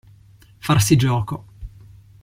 Farsi gioco.